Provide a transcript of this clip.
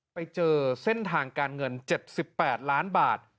ไปเจอเส้นทางการเงิน๗๘ล้านบาท